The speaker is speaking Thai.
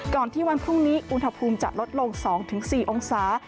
ที่วันพรุ่งนี้อุณหภูมิจะลดลง๒๔องศา